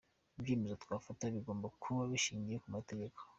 Ibyemezo twafata bigomba kuba bishingiye ku mategeko.